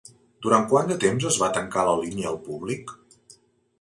Durant quant de temps es va tancar la línia al públic?